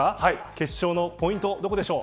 決勝のポイント、どこでしょう。